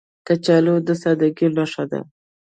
کچالو د سادګۍ نښه ده